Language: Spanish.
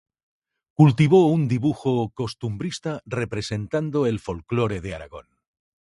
Cultivó un dibujo costumbrista, representando el folclore de Aragón.